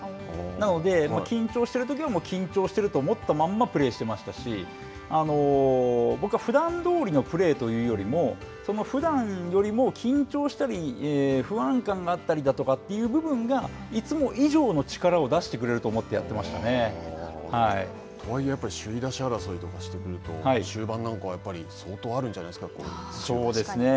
なので、緊張しているときは緊張していると思ったまんまプレーしてましたし僕は、ふだんどおりのプレーというよりも、そのふだんよりも緊張したり不安感があったりだとかという部分がいつも以上の力を出してくれると思ってとはいえ、首位打者争いとかをしていると終盤なんかはやっぱり相当あるんじゃないですそうですね。